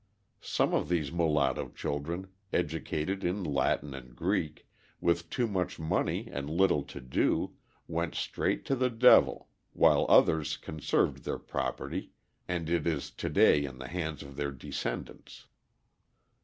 Some of these mulatto children, educated in Latin and Greek, with too much money and little to do, went straight to the devil, while others conserved their property, and it is to day in the hands of their descendants.